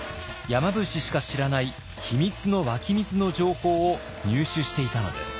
山伏しか知らない秘密の湧き水の情報を入手していたのです。